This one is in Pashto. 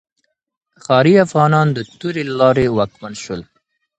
ښاري افغانان د تورې له لارې واکمن شول.